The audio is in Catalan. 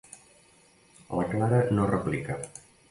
La Clara no replica.